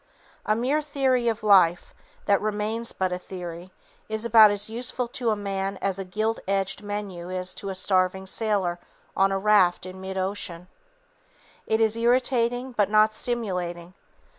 A mere theory of life, that remains but a theory, is about as useful to a man, as a gilt edged menu is to a starving sailor on a raft in mid ocean. It is irritating but not stimulating.